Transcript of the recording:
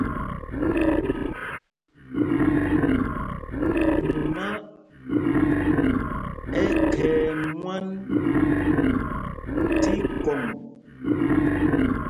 Mumá ɛ́ khɛɛ mwâ tí kɔŋ.